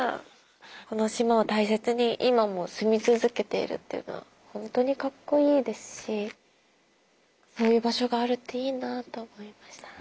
この島を大切に今も住み続けているっていうのはホントにかっこいいですしそういう場所があるっていいなと思いましたね。